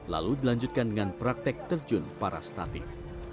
lalu dilanjutkan dengan praktek terjun para statik